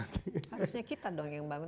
harusnya kita dong yang bagus